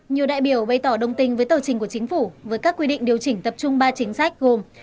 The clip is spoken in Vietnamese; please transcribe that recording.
nhiều đại biểu bày tỏ đồng tình với tờ trình của chính phủ với các quy định điều chỉnh tập trung ba chính sách gồm